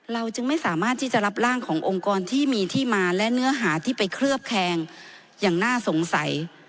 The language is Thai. จึงไม่สามารถที่จะรับร่างขององค์กรที่มีที่มาและเนื้อหาที่ไปเคลือบแคงอย่างน่าสงสัย